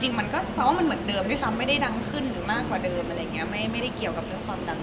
จริงมันก็เหมือนเดิมไม่ได้ดังขึ้นหรือมากกว่าเดิมไม่ได้เกี่ยวกับเรื่องความดังเลย